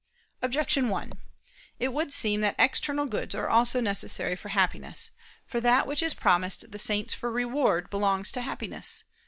Objection 1: It would seem that external goods also are necessary for Happiness. For that which is promised the saints for reward, belongs to Happiness.